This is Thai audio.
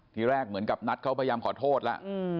ทีแรกเหมือนกับนัทเขาพยายามขอโทษแล้ว